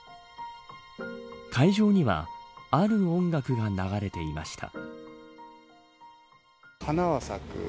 会場にはある音楽が流れていました。